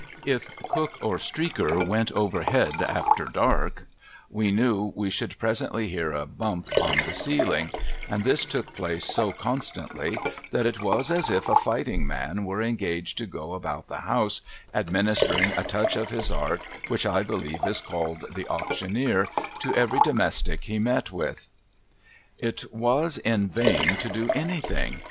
If Cook or Streaker went overhead after dark, we knew we should presently hear a bump on the ceiling ; and this took place so constantly, that it was as if a fighting man were engaged to go about the house, administering a touch of his art which I believe is called The Auctioneer, to every domestic he met with. It was in vain to do anything.